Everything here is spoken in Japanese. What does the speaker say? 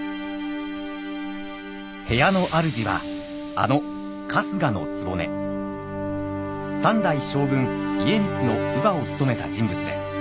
部屋の主はあの３代将軍家光の乳母を務めた人物です。